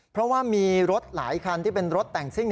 เพราะว่ามีรถหลายคันที่เป็นรถแต่งซิ่ง